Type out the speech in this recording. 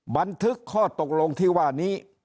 บันทึกข้อตกลงที่ว่านี้